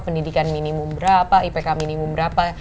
pendidikan minimum berapa ipk minimum berapa